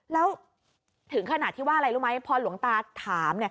แล้วถึงขนาดที่ว่าอะไรรู้ไหมพอหลวงตาถาม